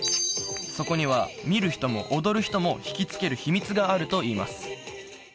そこには見る人も踊る人も引きつける秘密があるといいます